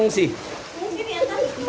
mengungsi di atas